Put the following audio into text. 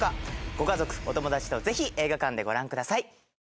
ご家族お友達と是非映画館でご覧ください。